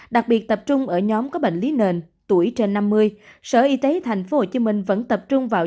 đặc biệt tập trung ở nhóm có bệnh lý nền tuổi trên năm mươi sở y tế tp hcm vẫn tập trung vào